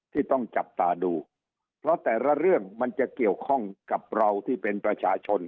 ที่ต้องจับตาดูเพราะแต่ละเรื่องมันจะเกี่ยวข้องกับเราที่เป็นประชาชน